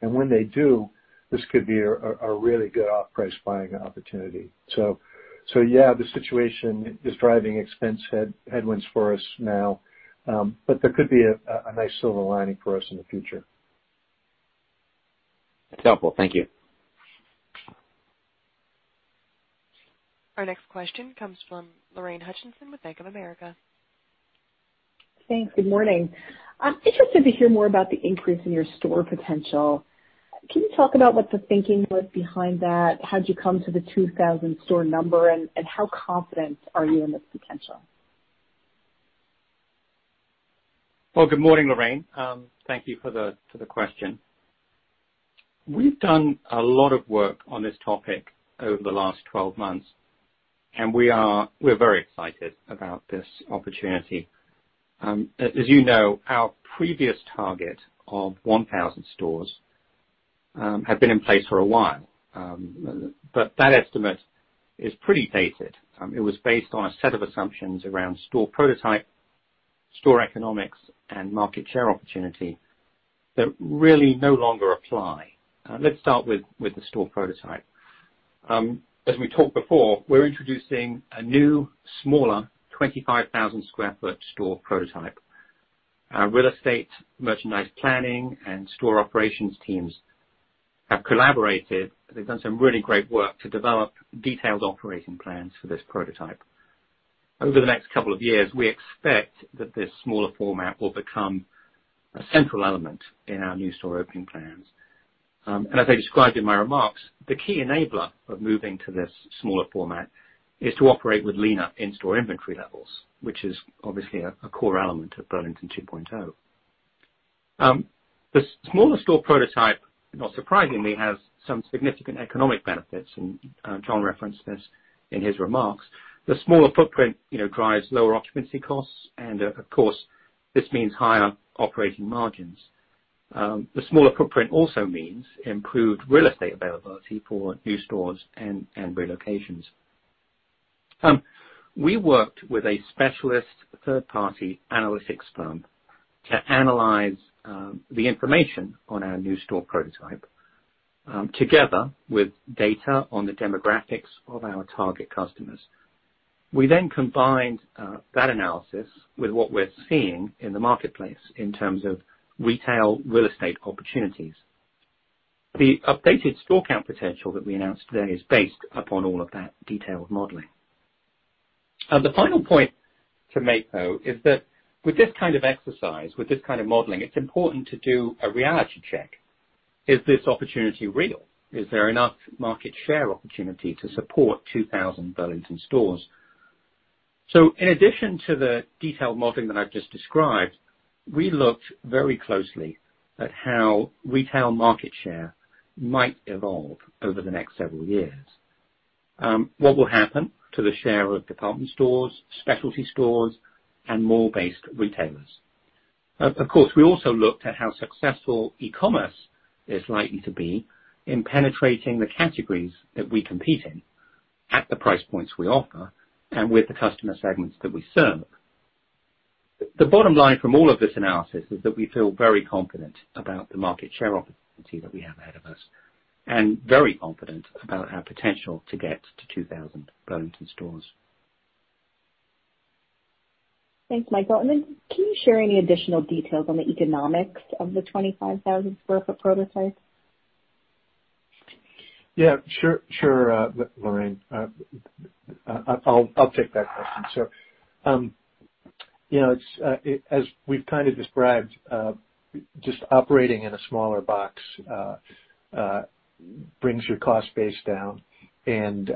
and when they do, this could be a really good off-price buying opportunity, so, yeah, the situation is driving expense headwinds for us now, but there could be a nice silver lining for us in the future. That's helpful. Thank you. Our next question comes from Lorraine Hutchinson with Bank of America. Thanks. Good morning. I'm interested to hear more about the increase in your store potential. Can you talk about what the thinking was behind that? How'd you come to the 2,000 store number, and how confident are you in this potential? well, good morning, Lorraine. Thank you for the question. We've done a lot of work on this topic over the last 12 months, and we're very excited about this opportunity. As you know, our previous target of 1,000 stores had been in place for a while, but that estimate is pretty dated. It was based on a set of assumptions around store prototype, store economics, and market share opportunity that really no longer apply. Let's start with the store prototype. As we talked before, we're introducing a new, smaller 25,000 sq ft store prototype. Our real estate merchandise planning and store operations teams have collaborated. They've done some really great work to develop detailed operating plans for this prototype. Over the next couple of years, we expect that this smaller format will become a central element in our new store opening plans, and as I described in my remarks, the key enabler of moving to this smaller format is to operate with leaner in-store inventory levels, which is obviously a core element of Burlington 2.0. The smaller store prototype, not surprisingly, has some significant economic benefits, and John referenced this in his remarks. The smaller footprint drives lower occupancy costs, and of course, this means higher operating margins. The smaller footprint also means improved real estate availability for new stores and relocations. We worked with a specialist third-party analytics firm to analyze the information on our new store prototype together with data on the demographics of our target customers. We then combined that analysis with what we're seeing in the marketplace in terms of retail real estate opportunities. The updated store count potential that we announced today is based upon all of that detailed modeling. The final point to make, though, is that with this kind of exercise, with this kind of modeling, it's important to do a reality check. Is this opportunity real? Is there enough market share opportunity to support 2,000 Burlington stores? So, in addition to the detailed modeling that I've just described, we looked very closely at how retail market share might evolve over the next several years, what will happen to the share of department stores, specialty stores, and mall-based retailers. Of course, we also looked at how successful e-commerce is likely to be in penetrating the categories that we compete in at the price points we offer and with the customer segments that we serve. The bottom line from all of this analysis is that we feel very confident about the market share opportunity that we have ahead of us and very confident about our potential to get to 2,000 Burlington stores. Thanks, Michael. And then can you share any additional details on the economics of the 25,000 sq ft prototype? Yeah. Sure, Lorraine. I'll take that question. So, as we've kind of described, just operating in a smaller box brings your cost base down. And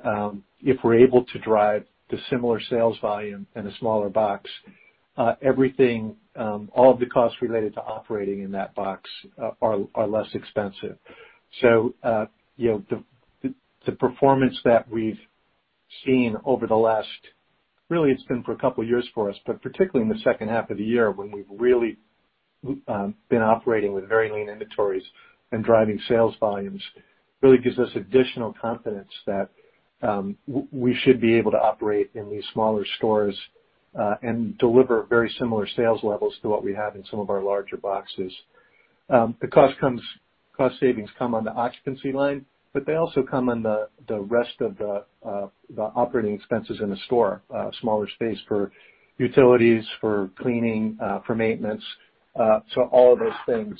if we're able to drive the similar sales volume in a smaller box, all of the costs related to operating in that box are less expensive. So, the performance that we've seen over the last, really, it's been for a couple of years for us, but particularly in the second half of the year when we've really been operating with very lean inventories and driving sales volumes really gives us additional confidence that we should be able to operate in these smaller stores and deliver very similar sales levels to what we have in some of our larger boxes. The cost savings come on the occupancy line, but they also come on the rest of the operating expenses in the store, smaller space for utilities, for cleaning, for maintenance. So, all of those things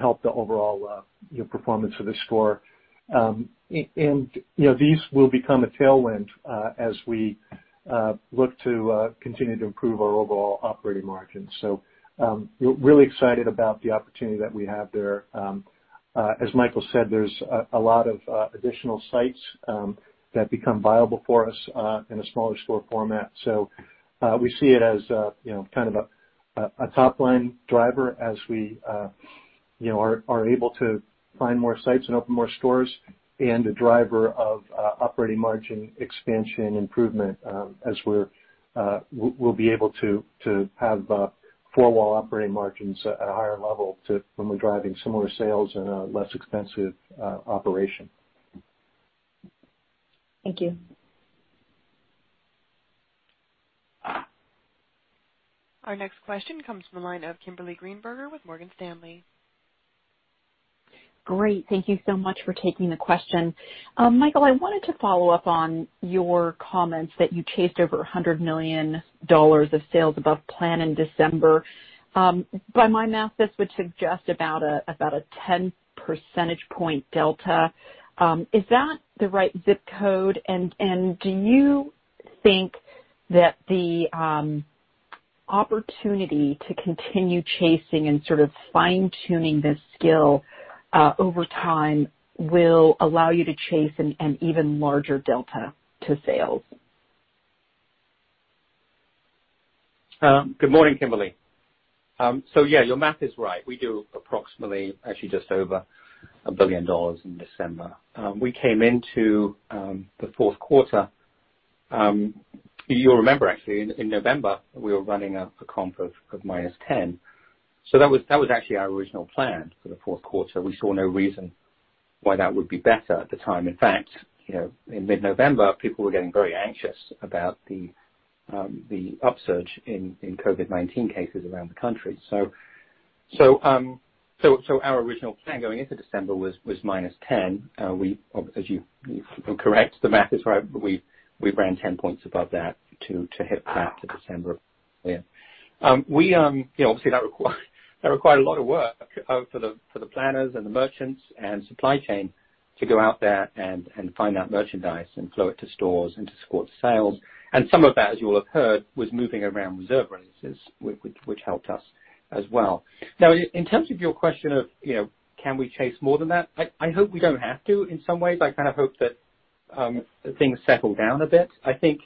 help the overall performance of the store. And these will become a tailwind as we look to continue to improve our overall operating margins. So, we're really excited about the opportunity that we have there. As Michael said, there's a lot of additional sites that become viable for us in a smaller store format. So, we see it as kind of a top-line driver as we are able to find more sites and open more stores and a driver of operating margin expansion improvement as we'll be able to have four-wall operating margins at a higher level when we're driving similar sales and a less expensive operation. Thank you. Our next question comes from the line of Kimberly Greenberger with Morgan Stanley. Great. Thank you so much for taking the question. Michael, I wanted to follow up on your comments that you chased over $100 million of sales above plan in December. By my math, this would suggest about a 10-percentage-point delta. Is that the right zip code? And do you think that the opportunity to continue chasing and sort of fine-tuning this skill over time will allow you to chase an even larger delta to sales? Good morning, Kimberly. So, yeah, your math is right. We do approximately, actually just over $1 billion in December. We came into the fourth quarter, you'll remember actually, in November, we were running a comp of minus 10. So, that was actually our original plan for the fourth quarter. We saw no reason why that would be better at the time. In fact, in mid-November, people were getting very anxious about the upsurge in COVID-19 cases around the country. So, our original plan going into December was minus 10. As you correct, the math is right, but we ran 10 points above that to hit that to December. Yeah. Obviously, that required a lot of work for the planners and the merchants and supply chain to go out there and find that merchandise and flow it to stores and to support sales. And some of that, as you will have heard, was moving around reserve releases, which helped us as well. Now, in terms of your question, can we chase more than that? I hope we don't have to in some ways. I kind of hope that things settle down a bit. I think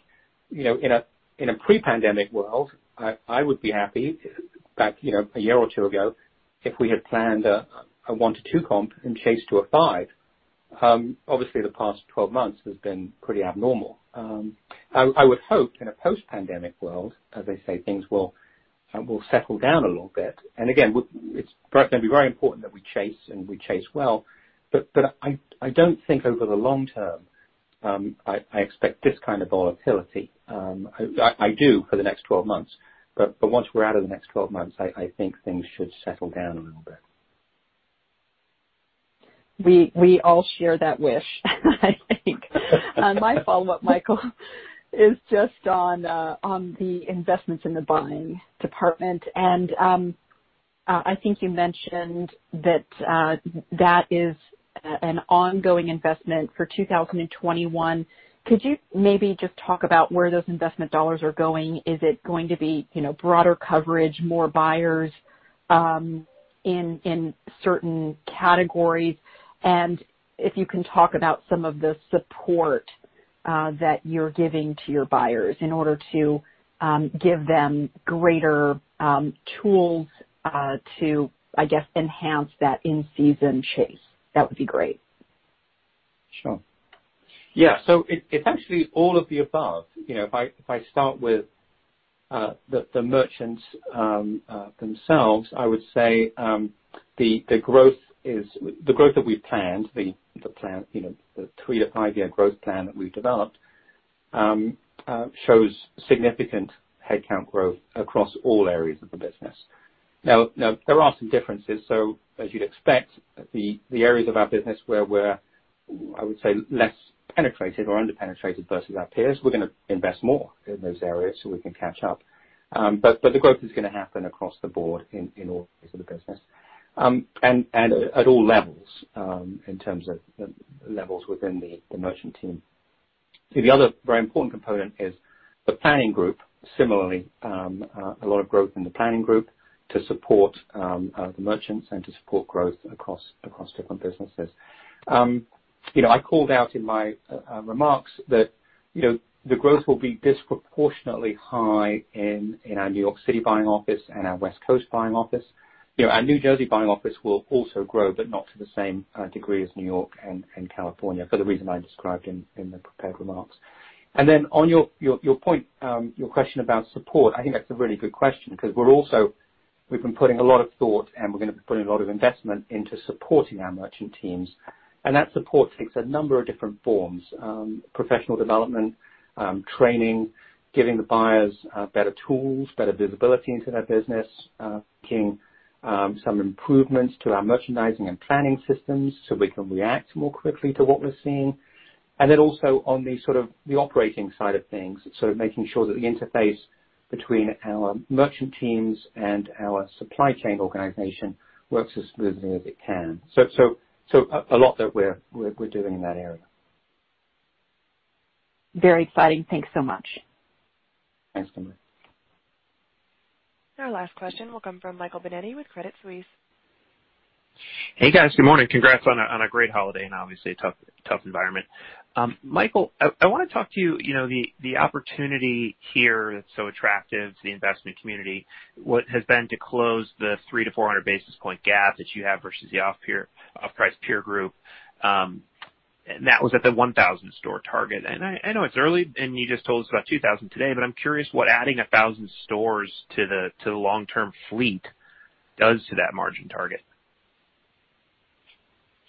in a pre-pandemic world, I would be happy back a year or two ago if we had planned a one to two comp and chased to a five. Obviously, the past 12 months has been pretty abnormal. I would hope in a post-pandemic world, as I say, things will settle down a little bit. And again, it's going to be very important that we chase and we chase well. But I don't think over the long term, I expect this kind of volatility. I do for the next 12 months. But once we're out of the next 12 months, I think things should settle down a little bit. We all share that wish, I think. My follow-up, Michael, is just on the investments in the buying department. And I think you mentioned that that is an ongoing investment for 2021. Could you maybe just talk about where those investment dollars are going? Is it going to be broader coverage, more buyers in certain categories? And if you can talk about some of the support that you're giving to your buyers in order to give them greater tools to, I guess, enhance that in-season chase, that would be great. Sure. Yeah. So, it's actually all of the above. If I start with the merchants themselves, I would say the growth that we've planned, the three- to five-year growth plan that we've developed, shows significant headcount growth across all areas of the business. Now, there are some differences. So, as you'd expect, the areas of our business where we're, I would say, less penetrated or underpenetrated versus our peers, we're going to invest more in those areas so we can catch up. But the growth is going to happen across the board in all areas of the business and at all levels in terms of levels within the merchant team. The other very important component is the planning group. Similarly, a lot of growth in the planning group to support the merchants and to support growth across different businesses. I called out in my remarks that the growth will be disproportionately high in our New York City buying office and our West Coast buying office. Our New Jersey buying office will also grow, but not to the same degree as New York and California for the reason I described in the prepared remarks, and then on your point, your question about support, I think that's a really good question because we've been putting a lot of thought, and we're going to be putting a lot of investment into supporting our merchant teams. And that support takes a number of different forms: professional development, training, giving the buyers better tools, better visibility into their business, making some improvements to our merchandising and planning systems so we can react more quickly to what we're seeing. And then also on the sort of the operating side of things, sort of making sure that the interface between our merchant teams and our supply chain organization works as smoothly as it can. So, a lot that we're doing in that area. Very exciting. Thanks so much. Thanks, Kimberly. Our last question will come from Michael Binetti with Credit Suisse. Hey, guys. Good morning. Congrats on a great holiday and obviously a tough environment. Michael, I want to talk to you about the opportunity here that's so attractive to the investment community, what has been to close the 300-400 basis points gap that you have versus the off-price peer group. And that was at the 1,000 store target. And I know it's early, and you just told us about 2,000 today, but I'm curious what adding 1,000 stores to the long-term fleet does to that margin target.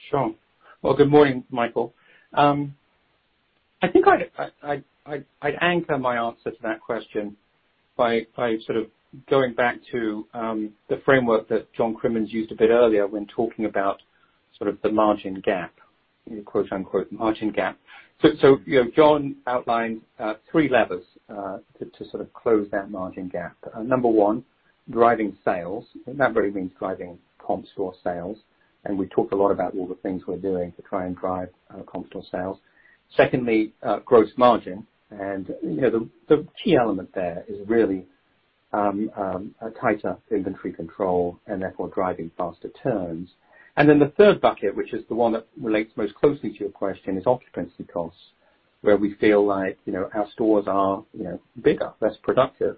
Sure. Well, good morning, Michael. I think I'd anchor my answer to that question by sort of going back to the framework that John Crimmins used a bit earlier when talking about sort of the margin gap, quote-unquote, margin gap. So, John outlined three levers to sort of close that margin gap. Number one, driving sales. That really means driving comp store sales. And we talked a lot about all the things we're doing to try and drive comp store sales. Secondly, gross margin. And the key element there is really tighter inventory control and therefore driving faster turns. And then the third bucket, which is the one that relates most closely to your question, is occupancy costs, where we feel like our stores are bigger, less productive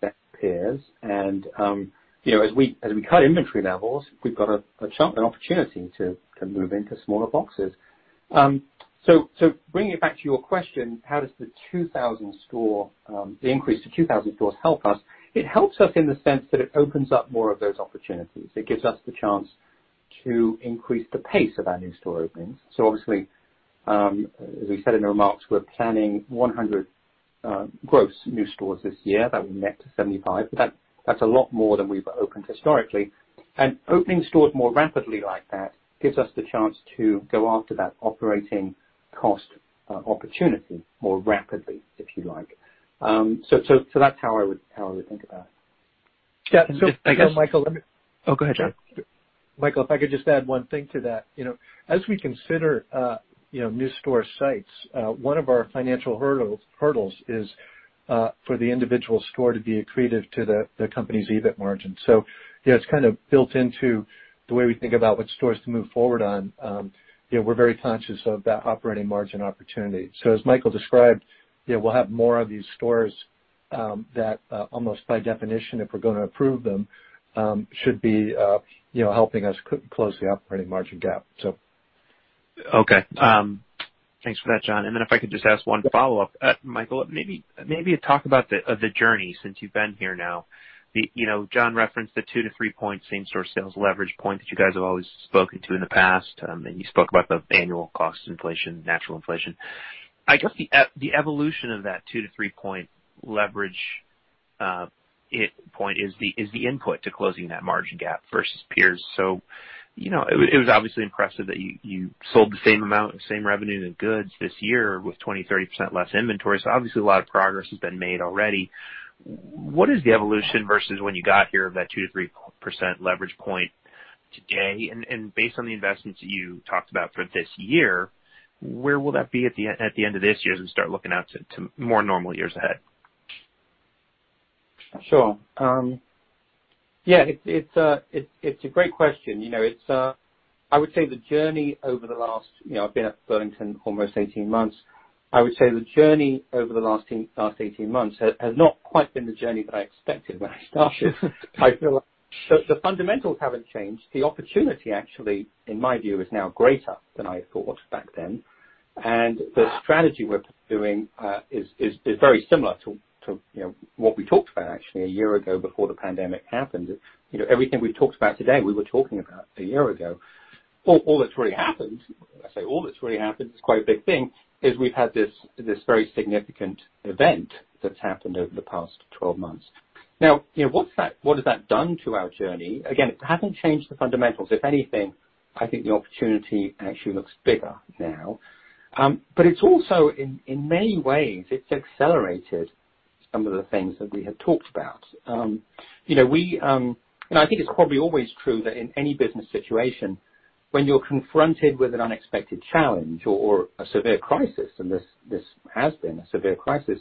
than peers. And as we cut inventory levels, we've got an opportunity to move into smaller boxes. So, bringing it back to your question, how does the 2,000 store, the increase to 2,000 stores help us? It helps us in the sense that it opens up more of those opportunities. It gives us the chance to increase the pace of our new store openings. So, obviously, as we said in the remarks, we're planning 100 gross new stores this year that will net to 75. But that's a lot more than we've opened historically. And opening stores more rapidly like that gives us the chance to go after that operating cost opportunity more rapidly, if you like. So, that's how I would think about it. Yeah. So, Michael, let me, oh, go ahead, John. Michael, if I could just add one thing to that. As we consider new store sites, one of our financial hurdles is for the individual store to be accretive to the company's EBIT margin. So, it's kind of built into the way we think about what stores to move forward on. We're very conscious of that operating margin opportunity. So, as Michael described, we'll have more of these stores that almost by definition, if we're going to approve them, should be helping us close the operating margin gap, so. Okay. Thanks for that, John. And then if I could just ask one follow-up, Michael, maybe talk about the journey since you've been here now. John referenced the two- to three-point same-store sales leverage point that you guys have always spoken to in the past. And you spoke about the annual cost inflation, natural inflation. I guess the evolution of that two- to three-point leverage point is the input to closing that margin gap versus peers. So, it was obviously impressive that you sold the same amount, same revenue in goods this year with 20%-30% less inventory. So, obviously, a lot of progress has been made already. What is the evolution versus when you got here of that two- to three-percent leverage point today? And based on the investments you talked about for this year, where will that be at the end of this year as we start looking out to more normal years ahead? Sure. Yeah. It's a great question. I would say the journey over the last. I've been at Burlington almost 18 months. I would say the journey over the last 18 months has not quite been the journey that I expected when I started. I feel like the fundamentals haven't changed. The opportunity, actually, in my view, is now greater than I thought back then. And the strategy we're pursuing is very similar to what we talked about, actually, a year ago before the pandemic happened. Everything we've talked about today, we were talking about a year ago. All that's really happened, I say all that's really happened is quite a big thing, is we've had this very significant event that's happened over the past 12 months. Now, what has that done to our journey? Again, it hasn't changed the fundamentals. If anything, I think the opportunity actually looks bigger now. But it's also, in many ways, it's accelerated some of the things that we had talked about. And I think it's probably always true that in any business situation, when you're confronted with an unexpected challenge or a severe crisis, and this has been a severe crisis,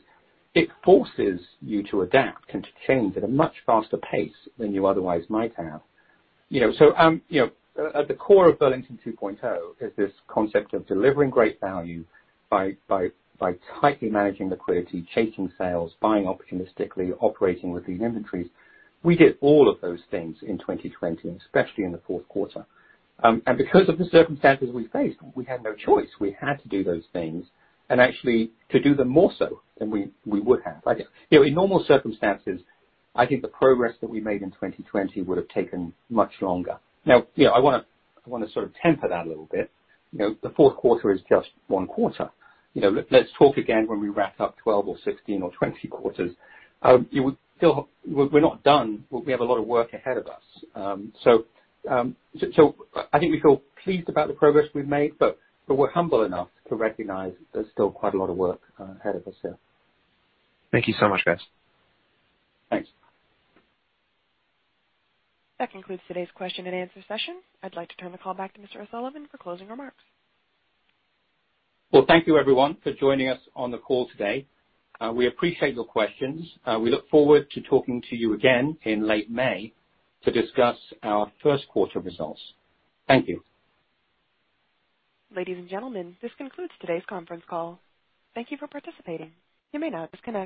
it forces you to adapt and to change at a much faster pace than you otherwise might have. So, at the core of Burlington 2.0 is this concept of delivering great value by tightly managing liquidity, chasing sales, buying opportunistically, operating with these inventories. We did all of those things in 2020, especially in the fourth quarter, and because of the circumstances we faced, we had no choice. We had to do those things and actually to do them more so than we would have. In normal circumstances, I think the progress that we made in 2020 would have taken much longer. Now, I want to sort of temper that a little bit. The fourth quarter is just one quarter. Let's talk again when we wrap up 12 or 16 or 20 quarters. We're not done. We have a lot of work ahead of us, so I think we feel pleased about the progress we've made, but we're humble enough to recognize there's still quite a lot of work ahead of us here. Thank you so much, guys. Thanks. That concludes today's question and answer session. I'd like to turn the call back to Mr. O'Sullivan for closing remarks. Well, thank you, everyone, for joining us on the call today. We appreciate your questions. We look forward to talking to you again in late May to discuss our first quarter results. Thank you. Ladies and gentlemen, this concludes today's conference call. Thank you for participating. You may now disconnect.